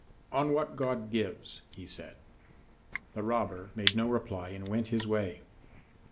"On what God gives," he said. The robber made no reply and went his way.